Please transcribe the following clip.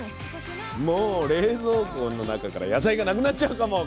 もう冷蔵庫の中から野菜がなくなっちゃうかも。